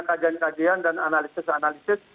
kajian kajian dan analisis analisis